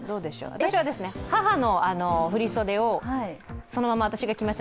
私は母の振り袖をそのまま私が着ました。